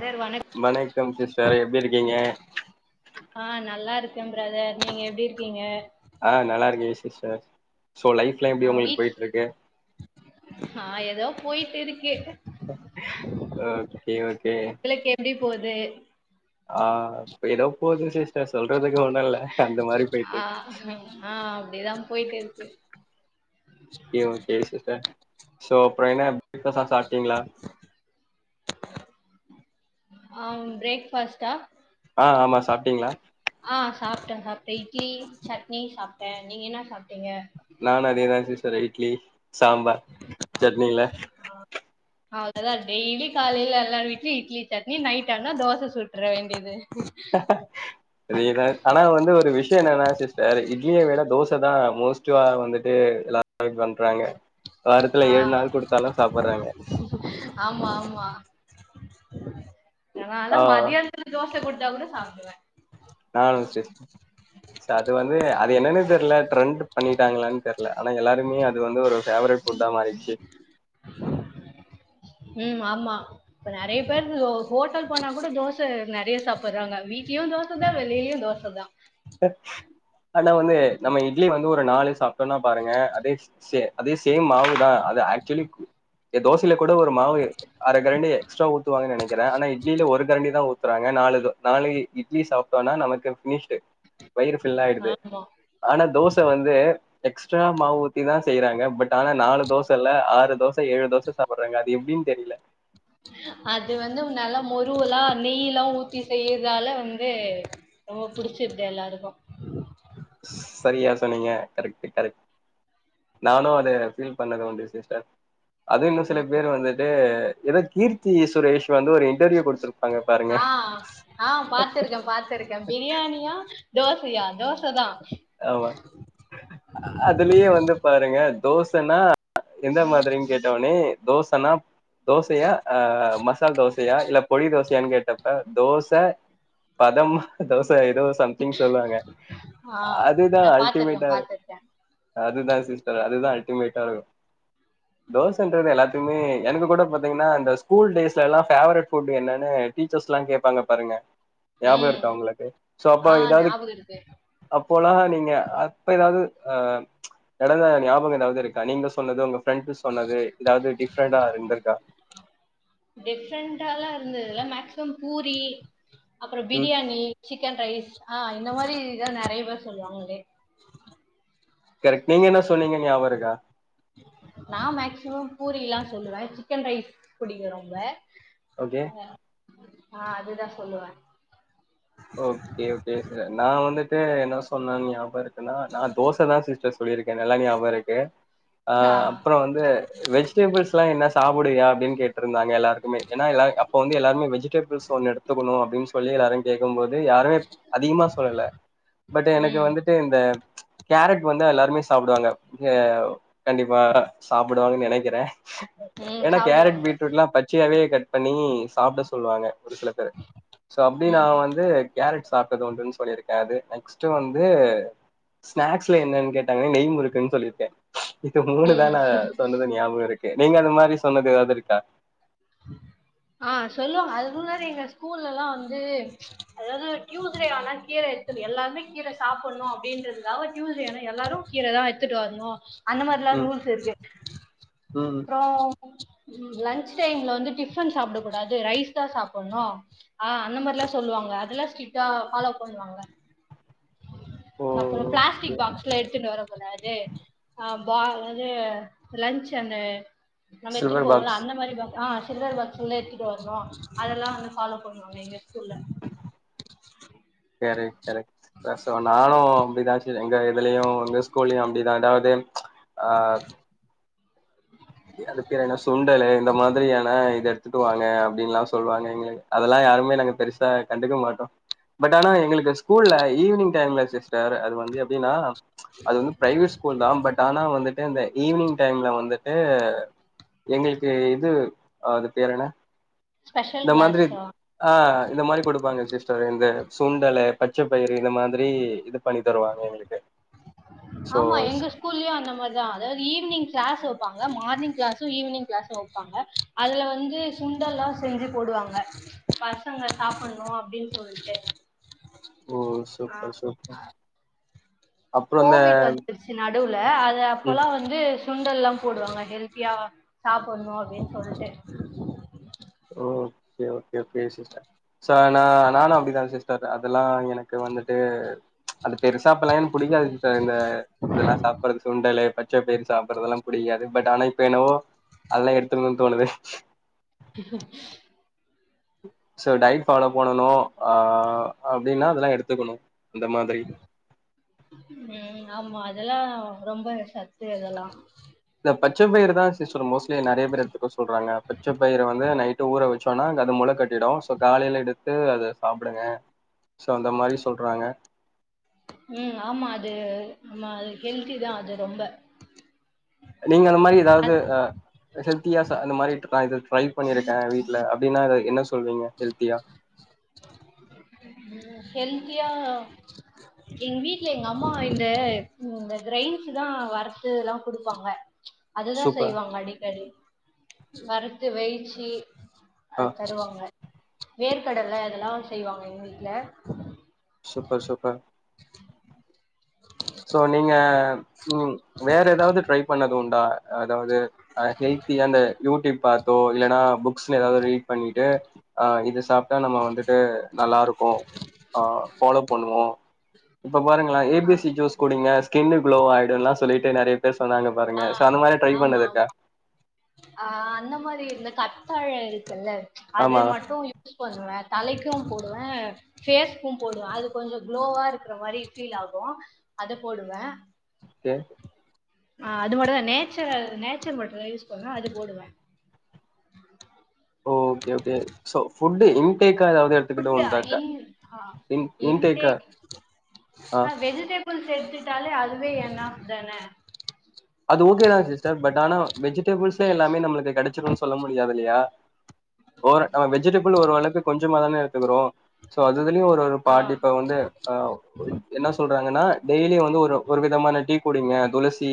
Sir வணக் வணக்கம் sister எப்டி இருக்கீங்க ஆ நல்லா இருக்க பிரதர் நீங்க எப்டி இருக்கீங்க ஆ நல்லா இருக்க சிஸ்டர் ஸோ லைஃப் ஆ வீட் ஆ ஏதோ போயிட்டு இருக்கு ஓகே ஓகே உங்களுக்கு எப்டி போது ஆ ஏதோ போது சிஸ்டர் சொல்றதுக்கு ஒன்னு இல்ல அந்த மாரி போயிட்டு ஆ இருக்கு ஆ அப்டிதா போயிட்டு இருக்கு ஓகே ஓகே சிஸ்டர் ஸோ அப்புற என்ன பிரேக் ஃபாஸ்லா சாப்ட்டீங்களா ஆ பிரேக்ஃபாஸ்டா ஆ ஆமா சாப்ட்டீங்களா ஆ சாப்ட்ட சாப்ட்ட இட்லி சட்னி சாப்ட்ட நீங்க என்ன சாப்ட்டீங்க நானு அதேதா சிஸ்டர் இட்லி சாம்பார் சட்னில அவ்ளோதா டெய்லி காலையில எல்லா வீட்லயு இட்லி சட்னி நைட் ஆனா தோச சுட்டுர வேண்டியது அதேதா ஆனா வந்து ஒரு விஷயோ என்னன்னா சிஸ்டர் இட்லிய விட தோச தா மோஸ்ட்டுவா வந்துட்டு எல்லா ட்ரை பண்றாங்க வாரத்துல ஆ ஏழு நாள் குடுத்தாலு சாப்டுறாங்க ஆமா ஆமா என்னாலலா ஆ மதியானத்துல தோச குடுத்தா கூட சாப்டுவ நானு சிஸ் ச அது வந்து அது என்னனு தெரில ட்ரெண்ட் பண்ணிட்டாங்களான் தெரில ஆனா எல்லாரு னுமே அது வந்து ஒரு ஃபேவரட் ஃபுட்டா மாரிட்ச்சு ம் ஆமா இப்போ நெறய பேரு ஹோட்டல் போனா கூட தோசை நெறய சாப்டுறாங்க வீட்லயு தோச தா வெளிலயு தோச தா ஆனா வந்து நம்ம இட்லி வந்து ஒரு நாலு சாப்ட்டோனா பாருங்க அதே ச அதே சேம் மாவுதா அது ஆக்சுவலி தோசைல கூட ஒரு மாவு அரை கரண்டி எக்ஸ்ட்ரா ஊத்துவாங்கன் நெனைக்ற ஆனா இட்லில ஒரு கரண்டி தான் ஊத்துறாங்க நாலு தோ நாலி இட்லி சாப்ட்டோனா நமக்கு ஃபினிஷ்டு வயிறு ஃபில் ஆய்டுது ஆமா. ஆனா தோச வந்து எக்ஸ்ட்ரா மாவு ஊத்தி தா செய்யறாங்க பட் ஆனா நாலு தோச இல்ல ஆறு தோச ஏழு தோச சாப்டுறாங்க அது எப்டின் தெரில அது வந்து நல்லா முருவலா நெய்லா ஊத்தி செய்யறதால வந்து ரொம்ப புடிச்சிருது எல்லாருக்கு சரியா சொன்னீங்க கரெக்ட் கரெக்ட் நானும் அத ஃபீல் பண்ணது உண்டு சிஸ்டர் அது இன்னு சில பேர் வந்துட்டு ஏதோ கீர்த்தி சுரேஷ் வந்து ஒரு இன்டர்வியூ குடுத்து ஆ ஆ பாத்துருக்க பாத்துருக்க பிரியாணியா தோசையா தோச தா ஆமா அதுலயே வந்து பாருங்க தோசைன்னா எந்த மாதிரின்னு கேட்ட உடனே தோசைனா தோசையா ஆ மசால் தோசையா இல்ல பொடி தோசையான் கேட்டப்ப தோச பதம் தோச ஏதோ சம்திங் சொல்லுவாங்க ஆ அதுதா நா பாத்துருக்கே அல்டிமேட்டா இரு பாத்துருக்கே. அதுதா சிஸ்டர் அதுதா அல்டிமேட்டா இருக்கு உ [inaudible] தோசைன்றது எல்லாத்தயுமே எனக்கு கூட பாத்தீங்கன்னா இந்த ஸ்கூல் டேஸ்லல்லா ஃபேவரட் ஃபுட்டு என்னனு டீச்சர்ஸ்லா கேப்பாங்க பாருங்க ஞாபகம் ம் இருக்கா உங்களுக்கு சோ அப்ப ஆ ஏதாவது ஞாபக இருக்கு அப்போலாம் நீங்க அப்ப எதாவது அ நடந்த ஞாபக எதாவது இருக் அ கனிந்து சொன்னது உங்க ஃப்ரெண்ட் சொன்னது ஏதாவது டிஃப்ரெண்டா இருந்திருக்கா டிஃப்ரெண்டால்லா இருந்துதுல்ல மேக்சிமம் பூரி அப்பறம் ம். பிரியாணி சிக்கன் ரைஸ் ஆ இந்த மாரி இதா நெறய பேர் சொல்லுவாங்களே கரெக்ட் நீங்க என்ன சொன்னீங்கன் ஞாபகருக்கா நான் மேக்சிமம் பூரில்லா சொல்லுவ சிக்கன் ரைஸ் புடிக்கு ரொம்ப ஓகே நா அதுதா சொல்லுவ ஓகே ஓகே சார் நா வந்துட்டு என்ன சொன்னன் ஞாபக இரு நா நா தோசதா சிஸ்டர் சொல்லிருக்கே நல்லா ஞாபக இருக்கு ஆ அப்பற வந்து வெஜிடபிள்ஸ்ல்லா என்னா சாப்டுவியா அப்டினு கேட்டிருந்தாங்க எல்லாருக்குமே ஏன்னா எல்லா அப்போ வந்து எல்லாருமே வெஜிடபிள்ஸ் ஒன்னு எடுத் தூக்கனு அப்டின் சொல்லி எல்லாரு கேக்கு போது யாருமே அதிகமா சொல்லல பட் எனக்கு ம் வந்து இந்த கேரட் வந்து எல்லாருமே சாப்டுவாங்க கண்டிப்பா சாப்டுவாங்கன்னு நெனைக்கிறே ம் ஏன்னா கேரட் சாப்டுவாங்க பீட்ரூட் எல்லா பச் பச்சியாவே கட் பண்ணி சாப்ட சொல்லுவாங்க ஒரு சில பேரு சோ அப்டி நா ம் வந்து கேரட் சாப்ட்டது உண்டுன்னு சொல்லியிருக்கே அது நெக்ஸ்ட்டு வந்து ஸ்நாக்ஸ்ல என்னன்னு கேட்டாங்கன்னா நெய் முறுக்குன்னு சொல்லிருக்க இது மூணுதா ம் நா சொன்னது ஞாபக இருக்கே நீங்க அந்த மாரி சொன்னது எதாவது இருக்கா உ [inaudible] ஆ சொல்லுவாங்க அதுக்கு முன்னாடி எங்க ஸ்கூல்ல எல்லா வந்து அதாவது டியூஸ்டே ஆனா கீர எல்லாருமே கீர சாப்பிடணு அப்படின்றதுகாகவே டியூஸ்டே எல்லாரு கீரதா எத்துட்டு வரணு அந்த மாரில்லா ம் ரூல்ஸ் இருக்கு ம் அப்றோ லன்ச் டைம்ல வந்து டிஃபன் சாப்பிடக் கூடாது ரைஸ் தா சாப்பிட்ணு ஆ அந்த மாரில்லா சொல்லுவாங்க அதெல்லா ஸ்ட்ரிட்டா பாலோ பண்ணுவாங்க ஓ அப்றோ பிளாஸ்டிக் ஓகே பாக்ஸ்ல எடுத்துட்டு வர கூடாது அம் வா என்னது லன்ச் அந்த நம்ம எத்துட்டு சில்வர் போவோம்ல பாக்ஸ் அந்த மாரி பாக் ஆ சில்வர் பாக்ஸ்ல்லதா எடுத்துட்டு வரணு அதெல்லா வந்து ஃபாலோ பண்ணுவாங்க எங்க ஸ்கூல்ல [inaudible] [unintelligible] சோ நானு அப்பிடிதா சிஸ்டர் எங்க இதுலயு எங்க ஸ்கூல்லயு அப்டிதா எதாவது ஆ அது பேரு என்ன சுண்டலு இந்த மாதிரியான இது எடுத்துட்டு வாங்க அப்டின்னு எல்லா சொல்லுவாங்க எங்களுக்கு அதெல்லா யாருமே நாங்க பெருசா கண்டுக்க மாட்டோ பட் ஆனா எங்களுக்கு ஸ்கூல்ல ஈவினிங் டைம்ல வேற அது வந்து எப்படின்னா அது வந்து பிரைவேட் ஸ்கூல் தா பட் ஆனா வந்துட்டு இந்த ஈவினிங் டைம்ல வந்து ட்டு எங்களுக்கு இது அது பேர் என்ன ஸ்பெஷல் இந்த மாதிரி கிளாஸ் ஆ இந்த மாதிரி குடுப்பாங்க சிஸ்டர் இந்த சுண்டலு பச்ச பயிறு இந்த மாதிரி இது பண்ணி தருவாங்க எங்களுக்கு சோ ஆமா எங்க ஸ்கூல்லயு அந்த மாரி தா அதாவது ஈவ்னிங் கிளாஸ் வைப்பாங்க மார்னிங் கிளாஸ்சு ஈவினிங் கிளாஸ்சு வைப்பாங்க அதுல வந்து சுண்டல்லா செஞ்சு போடுவாங்க பசங்க சாப்ட்ணு அப்டின்னு சொல்லிட்டு ஓ சூப்பர் சூப்பர் அப்றோ இந்த கோவிட் வந்துருச்சு நடுவுல அது ம் அப்பல்லா வந் வந்து சுண்டல்லா எல்லா போடுவாங்க ஹெல்த்தியா சாப்ட்ணு அப்டின்னு சொல்ட்டு ஓ ஓகே ஓகே சிஸ்டர் சார் ஆ நானு அப்படிதா சிஸ்டர் அதெல்லா எனக்கு வந்துட்டு அது பெருசா அப்போல்லா எனக்கு புடிக்காது சிஸ்டர் இந்த இதெல்லா சாப்பிட்டுறது சுண்டலு பச்ச பச்சபயிறு சாப்பிட்றதெல்லா புடிக்காது பட் ஆனா இப்ப என்னவோ அதெல்லா எடுத்துக்கணுனு தோணுது ஹ்ம் சோ டயட் ஃபாலோ பண்ணனு ஆ அப்டின்னா அதெல்லா எடுத்துக்கணு இந்த மாதிரி ம் ஆமா அதெல்லா ரொம்ப சத்து அதெல்லா இந்த பச்சபயிறு தா சிஸ்டர் மோஸ்ட்லி நெறைய பேர் எடுத்துக்க சொல்றாங்க பச்சபயிர வந்து நைட்டு ஊற வெச்சோன்னா அது முள கட் ட்டிடு சோ காலையில எடுத்து அத சாப்பிடுங்க சோ அந்த மாரி சொல்றாங்க ம் ஆமா அது நம்ம அது ஹெல்தி தா அது ரொம்ப நீங்க அந்த மாரி எதாவது அது ஆ ஹெல்த்தியா சா அந்த மாரி நா இது ட்ரை பண்ணிருக்கே வீட்ல அப்டின்னாரு என்ன சொல்வீங்க ஹெல்த்தியா ஹெல்த்தியா எங் வீட்ல எங்கம்மா இந்த இந்த க்ரெய்ன்ஸ் தா வறுத்துல்லா குடுப்பாங்க அதுதா சூப்பர் செய்வாங்க அடிக்கடி வறுத்து வெய்ச்சி ஆ அது தருவாங்க வேர்க்கடல அதெல்லா செய்வாங்க எங் வீட்ல சூப்பர் சூப்பர் ஸோ நீங்க ம் வேறு எதாவ்து ட்ரை பண்ணது உண்டா அதாவ்து ஆ ஹெல்த்தியா அந்த யூடியூப் பாத்தோ இல்லன்னா புக்ஸ்ல எதாவ்து ரீட் பண்ணிட்டு ஆ இது சாப்ட்டா நம்ம வந்துட்டு நல்லாருக்கு ஆ ஃபாலோ பண்ணுவோ இப்ப பாருங்ளே ஏ பி சி ஜூஸ் குடிங்க ஸ்கின்னு குளோ ஆயிடும்ல்லா சொல்லிட்டு நறைய பேர் சொன்னாங்க ஆ பாருங்க ஸோ அந்த மாரி ட்ரை ஆமா பண்ணது இருக்கா ஆ அந்த மாரி இந்த கத்தாழை இருக்குல்ல அது ஆமா மட்டு யூ ஸ் பண்ணுவே தலைக்கு போடுவே ஃபேஸ்க்கு போடுவே அது கொஞ்சோ குளோவாருக்ற மாரி ஃபீல் ஆகு அத போடுவே ஓகே ஆ அது மட்டுந்தா நேச்சுரல் நேச்சுரல் மட்டு தா யூஸ் பண்ணுவே அது போடுவே ஓ ஓகே ஓகே ஸோ ஃபுட்டு இன்டேக்கா எதாவ்து ஃபுட்டா இன் ஆ இன்டேக்கா இன்டேக் ஆ வெஜிட பிள் சேத்துட்டாலே அதுவே என்னாஃப் தான அது ஓகே தா சிஸ்டர் பட் ஆனா வெஜிடபிள்ஸ்ல எல்லாமே நம்மளுக்கு கெடச்சிடுன் சொல்ல முடியாதில்லயா ஓர் நம்ம வெஜிடபிள் ஓரளவுக்கு கொஞ்சமா தான எடுத்துக்குறோ ஸோ அதுஇதுலயு ஒரொரு ஆ பாதி இப்ப வந்து ஆ என்ன சொல்றாங்கன்னா டெய்லியு வந்து ஒரு ஒரு விதமான டீ குடிங்க துளசி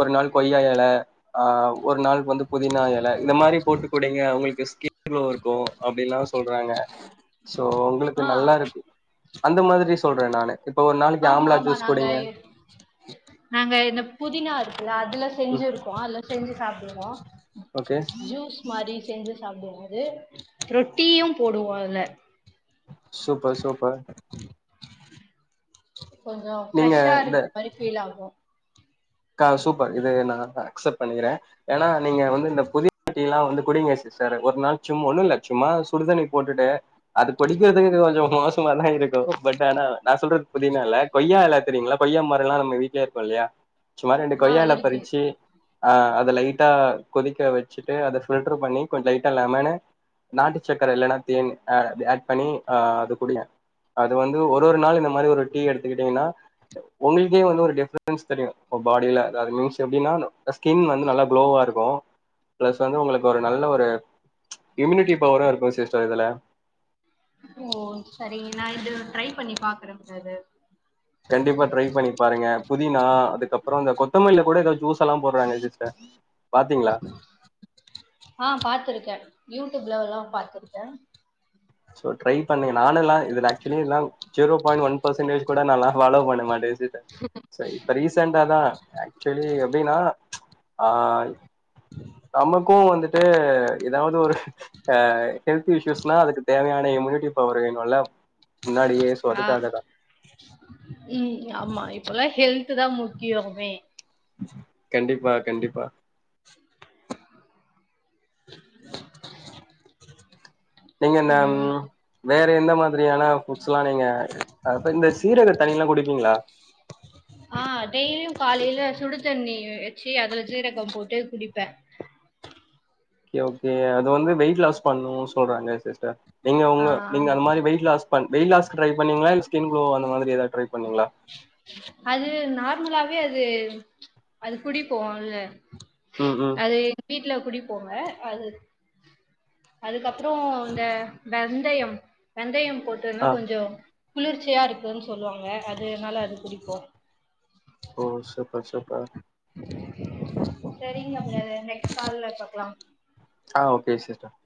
ஒர் நாள் கொய்யா எல ஆ ஒர் நாளுக்கு வந்து புதினா எல இந்த மாரி போட்டு குடிங்க உங்களுக்கு ஸ்கின் க்ளோரு க்கு அப்டின்ல்லா சொல்றாங்க ஹ்ம்ம் ஸோ ஒங்களுக்கு நல்லாருக்கு அந்த மாத்ரி சொல்றே நானு இப்ப ஒரு நாளைக்கு ஆமா ஆம்லா ஆமா ஜூஸ் நாங்க குடிங்க நாங்க இந்த புதினா இருக்குல்ல அதுல ம் செஞ்சிருக்கோ அதுல்ல செஞ்சு சாப்டுவோ ஓகே ஜூஸ் மாரி செஞ்சு சாப்டுவோ அது ரொட்டியு போடுவோ அதுல சூப்பர் சூப்பர் கொஞ்சோ நீங்க ஃப்ரெஷ்ஷாருக்க மாரி ஃபீல் ஆகு கா சூப்பர் இது நா அக்செப்ட் பண்ணிக்கிறே ஏனா நீங்க வந்து இந்த புதினா டீல்லா வந்து குடிங்க சி டர் ஒர் நாள் சும் ஒண்ணுல்ல ஒரு ‌நாள் சுடுதண்ணி போட்டுட்டு அது குடிக்கிறதுக்கு கொஞ்சொ மோசமாதாருக்கு பட் ஆனா நா சொல்ற புதினால்ல கொய்யா எல தெரியுங்ளா கொய்யா மரொல்லா நம்ம வீட்லயே இருக்கு இல்லயா சும்மா ரெண்டு ஆ கொய்யால இருக்கு பறிச்சு ஆ அத லைட்டா கொதிக்க வச்சுட்டு அத ஃபில்ட்ரு பண்ணி கொஞ் லைட்டா லெமனு நாட்டு சக்கர இல்லன்னா தேனு அது ஆட் பண்ணி ஆ அது குடிங்க அது வந்து ஒரு ஒரு நாள் இந்த மாரி ஒரு டீ எடுத்துக்கிட்டீங்கன்னா உங்களுக்கே வந்து ஒரு டிஃப்ரன்ஸ் தெரியு பாடில அதாவ்து மீன்ஸ் எப்டின்னா ஸ்கின் வந்து நல்லா க்ளோவாருக்கு ப்ளஸ் வந்து உங்களுக்கு ஒரு நல்ல ஒரு இம்யூனிட்டி பவரு இருக்கு சிஸ்டர் இதுல ஓ செரி நா இது ட்ரை பண்ணி பாக்கறே முடாது கண்டிப்பா ட்ரை பண்ணி பாருங்க புதினா அதுக்கப்பறோ இந்த கொத்தமல்லில கூட ஏதாவது ஜூஸ் எல்லா போடுறாங்க சிஸ்டர் பாத்தீங்களா ஆ பாத்துருக்கே யூடியூப்லல்லா பாத்துருக்கே ஸோ ட்ரை பண்ணுங்க நானுல்லா இதுல ஆக்சுவலிலா ஜீரோ பாய்ண்ட் ஒன் பர்சன்டேஜ் கூட நாலா ஃபாலோ பண்ண மாட்டே விஷயத்த செரி இப்போ ரீசென்ட்டா தா ஆக்சுவலி எப்டினா ஆ நமக்கு வந்துட்டு ஏதாவது ஒரு ஆ ஹெல்த் இஸ்யூஸ்னா அதுக்கு தேவையான இம்யூனிட்டி பவர் வேணுல முன்னாடியே சோ ஆ அதுக்காகதா ம் ஆமா இப்பெல்லா ஹெல்த் தா முக்கியோமே கண்டிப்பா கண்டிப்பா நீங்க என்ன ம் வே இப்ப எந்த மாதிரியான ஃபுட்ஸ்ல்லா நீங்க இந்த சீரக தண்ணிய எல்லா குடிப்பீங்களா ஆ டெய்லியு காலேல சுடு தண்ணி வ வச்சு அதுல சீரகோ போட்டு குடிப்பே ஓகே ஓகே அது வந்து வெயிட் லாஸ் பண்ணுனு சொல்றாங்க சிஸ்டர் நீங்க ஆ உங்க நீங்க ஆமா அந்த மாரி வெயிட் லாஸ் பன் வெய் லாஸ்கு ட்ரை பண்ணீங்களா இல்ல ஸ்கின் க்ளோ அந்த மாதி ஏதாவ ட்ரை பண்ணீங்களா அது நார்மலாவே அது அது குடிப்போல ம் ம் அது எங்க வீட்ல குடிப்போங்க அது அதுக்கப்பறோ இந்த வெந்தயம் வெந்தயம் போட் ட்டுனா ஆ கொஞ்சோ குளிர்ச்சியா இருக்குனு சொல்லுவாங்க அதுனால அது குடிக்கு ஓ சூப்பர் சூப்பர் செரிங்க ப்ரதர் நெக்ஸ்ட் கால்ல பாக்கலா ஆ ஓகே சிஸ்டர்